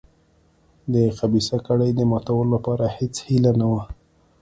د خبیثه کړۍ د ماتولو لپاره هېڅ هیله نه وه.